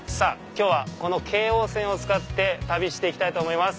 今日はこの京王線を使って旅して行きたいと思います。